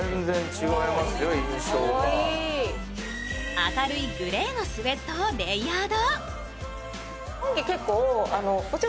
明るいグレーのスエットをレイヤード。